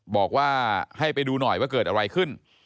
บอกว่าให้ไปดูหน่อยว่าเกิดอะไรขึ้น